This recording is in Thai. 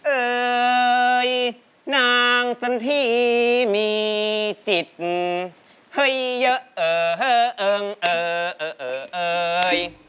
เอ่ยนางสันทีมีจิตให้เยอะเอ่อเอิงเอ่อเอ่ย